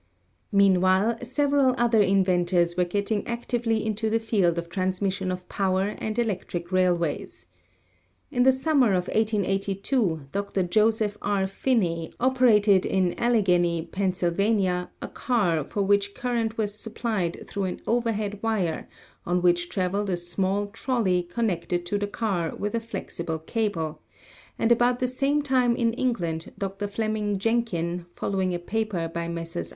Meanwhile several other inventors were getting actively into the field of transmission of power and electric rail ways. In the summer of 1882 Dr. Joseph R. Finney oper ated in Allegheny, Pa., a car for which current was sup plied through an overhead wire on which traveled a small trolley connected to the car with a flexible cable, and about the same time in England Dr. Fleming Jenkin, following a paper by Messrs.